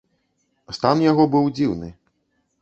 Стан у яго быў дзіўны.